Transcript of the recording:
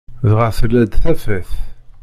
Dɣa tella-d tafat.